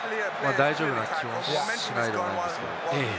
大丈夫な気もしないでもないですけど。